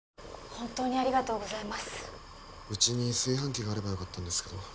本当にありがとうございますうちに炊飯器があればよかったんですけど